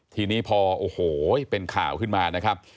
ทีนี้พอโอ้โหเป็นข่าวขึ้นมานะครับ